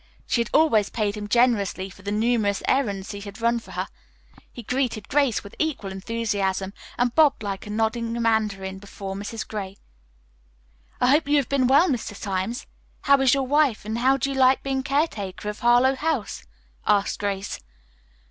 She had always paid him generously for the numerous errands he had run for her. He greeted Grace with equal enthusiasm, and bobbed like a nodding mandarin before Mrs. Gray. "I hope you have been well, Mr. Symes. How is your wife and how do you like being caretaker of Harlowe House?" asked Grace.